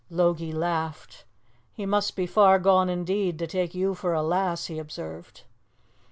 Logie laughed. "He must be far gone indeed to take you for a lass," he observed.